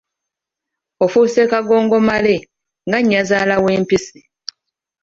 Ofuuse kagongomale, nga nnyazaala w’empisi.